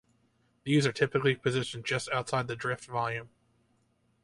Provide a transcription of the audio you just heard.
These are typically positioned just outside the drift volume.